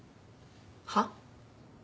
はっ？